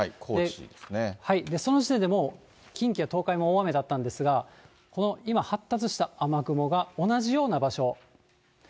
その時点でもう、近畿や東海も大雨だったんですが、この今、発達した雨雲が同じような場所。